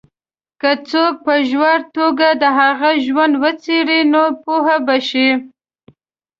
که څوک په ژوره توګه د هغه ژوند وڅېـړي، نو پوه به شي.